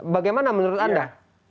bagaimana menurut anda